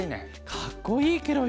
かっこいいケロよ。